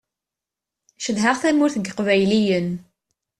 Cedhaɣ tamurt n yiqbayliyen.